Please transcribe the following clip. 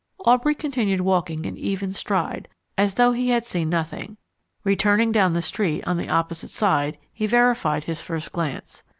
Aubrey continued walking in even stride, as though he had seen nothing. Returning down the street, on the opposite side, he verified his first glance.